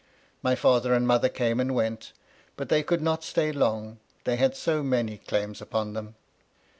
My father and mother came and went ; but they could not stay long, they had so many claims upon them.